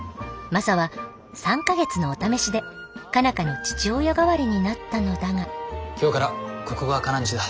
マサは３か月のお試しで佳奈花の父親代わりになったのだが今日からここがカナんちだ。